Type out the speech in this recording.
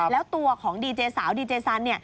แล้วตัวของดีเจสาวดีเจสัน